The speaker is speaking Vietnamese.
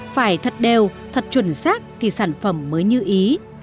phải thật đều thật chuẩn xác thì sản phẩm mới như ý